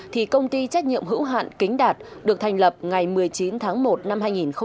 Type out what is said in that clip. thì công ty trách nhiệm hiểu hoạn kính đạt được thành lập ngày một mươi chín tháng một năm hai nghìn một mươi